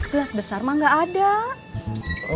gelas besar mah gak ada